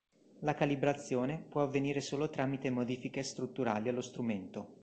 La calibrazione può avvenire solo tramite modifiche strutturali allo strumento.